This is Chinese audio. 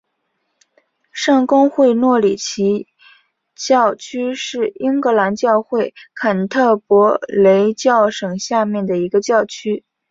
圣公会诺里奇教区是英格兰教会坎特伯雷教省下面的一个教区。